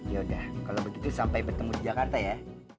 yaudah kalau begitu sampai bertemu di jakarta ya